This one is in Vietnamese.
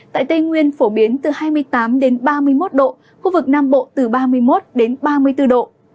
tại tây nguyên phổ biến từ hai mươi tám đến ba mươi một độ khu vực nam bộ từ ba mươi một đến ba mươi bốn độ